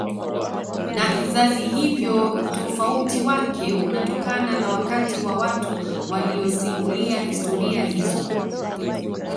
na kizazi hivyo utofauti wake unatokana na wakati na watu waliyosimulia historia hizo